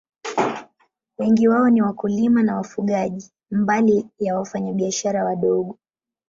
Wengi wao ni wakulima na wafugaji, mbali ya wafanyabiashara wadogo.